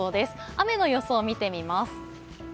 雨の予想を見てみます。